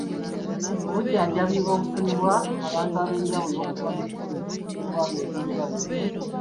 Obujjanjabi bufunibwa abantu ab'enjawulo okuva mu bitundu by'egwanga eby'enjawulo.